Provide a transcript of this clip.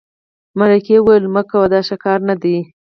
مرکې وویل مه کوه دا ښه کار نه دی.